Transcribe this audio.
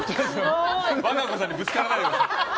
和歌子さんにぶつからないでください。